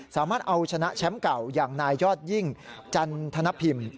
สามารถเอาชนะแชมป์เก่าอย่างนายยอดยิ่งจันทนพิมพ์